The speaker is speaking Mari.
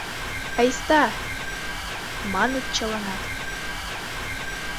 — Айста, — маныт чыланат.